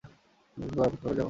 অপেক্ষা করো, অপেক্ষা করো, যাও!